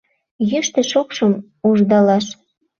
Йӱштӧ-шокшым уждалаш.